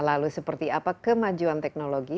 lalu seperti apa kemajuan teknologi